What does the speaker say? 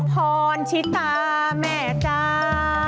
พรชิตาแม่จ้า